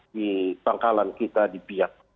di pangkalan kita di pihak